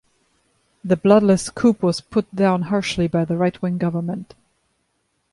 The bloodless coup was put down harshly by the right-wing government.